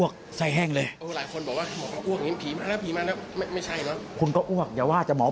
คุณก็อ้วกอย่าว่าจะหมอปลา